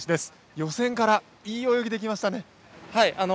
予選から、いい泳ぎできましたね。